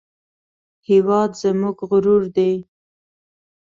هېواد زموږ غرور دی